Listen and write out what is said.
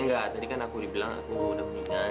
enggak tadi kan aku dibilang aku udah mendingan